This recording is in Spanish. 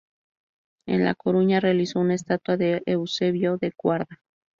En La Coruña realizó una estatua de Eusebio da Guarda.